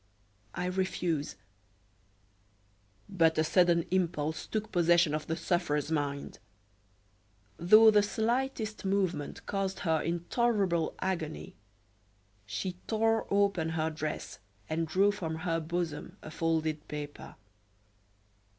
"I refuse." But a sudden impulse took possession of the sufferer's mind. Though the slightest movement caused her intolerable agony, she tore open her dress and drew from her bosom a folded paper.